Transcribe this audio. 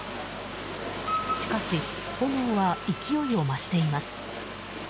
しかし、炎は勢いを増しています。